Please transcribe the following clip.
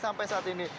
sampai saat ini